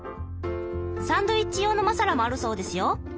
サンドイッチ用のマサラもあるそうですよ。